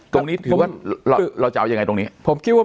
ตรงนี้ถือว่าเราจะเอาอย่างไรตรงนี้